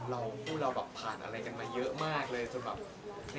แล้วรู้สึกยังไงบ้างครับที่แบบว่าพวกเราผ่านอะไรกันมาเยอะมากเลย